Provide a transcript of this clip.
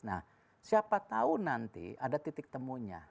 nah siapa tahu nanti ada titik temunya